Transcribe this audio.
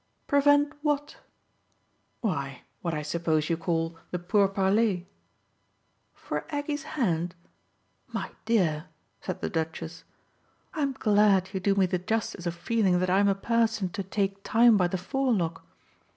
"Prevent what?" "Why what I suppose you call the pourparlers." "For Aggie's hand? My dear," said the Duchess, "I'm glad you do me the justice of feeling that I'm a person to take time by the forelock.